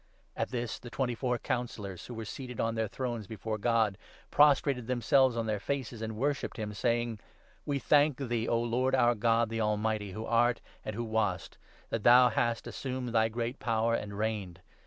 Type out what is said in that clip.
' At this the twenty four Councillors, who were seated on their 16 thrones before God, prostrated themselves on their faces and worshipped Him, saying — 17 ' We thank thee, O Lord, our God, the Almighty, who art and who wast, that thou hast assumed thy great power and reigned.